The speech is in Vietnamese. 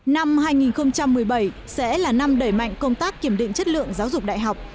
năm hai nghìn một mươi bảy sẽ là năm đẩy mạnh công tác kiểm định chất lượng giáo dục đại học